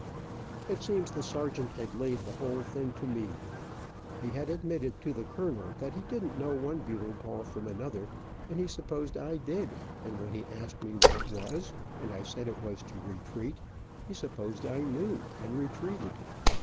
It seems the sergeant had laid the whole thing to me. He had admitted to the colonel that he didn't know one bugle call from another, and he supposed I did, and when he asked me what it was, and I said it was to retreat, he supposed I knew, and retreated.